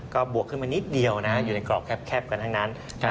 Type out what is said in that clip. ก็บวกขึ้นมานิดเดียวนะอยู่ในกรอบแคบกันทั้งนั้น